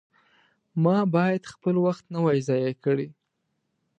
ما باید خپل وخت نه وای ضایع کړی.